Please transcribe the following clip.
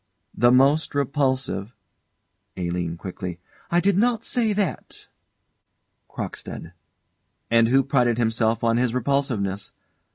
The most repulsive ALINE. [Quickly.] I did not say that. CROCKSTEAD. And who prided himself on his repulsiveness.